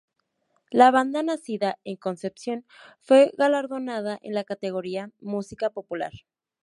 La banda nacida en Concepción fue galardonada en la categoría Música Popular.